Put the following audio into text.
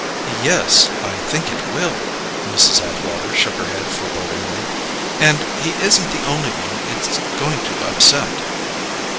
"Yes; I think it will!" Mrs. Atwater shook her head forebodingly. "And he isn't the only one it's going to upset."